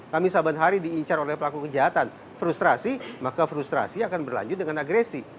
kami saban hari diincar oleh pelaku kejahatan frustrasi maka frustrasi akan berlanjut dengan agresi